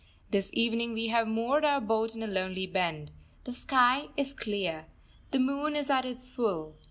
This evening we have moored our boat in a lonely bend. The sky is clear. The moon is at its full.